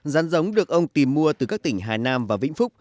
rắn giống được ông tìm mua từ các tỉnh hà nam và vĩnh phúc